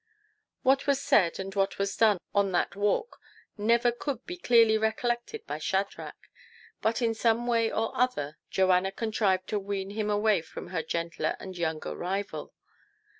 What was said and what was done on that walk never could be clearly recollected by Shadrach; but in some way or other Joanna contrived to wean him away from her gentler and younger rival.